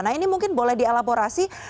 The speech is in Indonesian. nah ini mungkin boleh dielaborasi